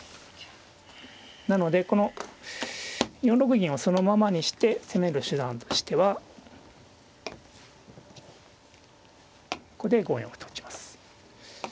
なのでこの４六銀はそのままにして攻める手段としてはここで５四歩と打ちます。